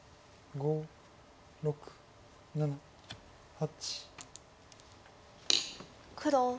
５６７８。